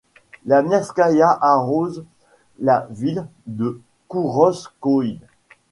La Nerskaïa arrose la ville de Kourovskoïe.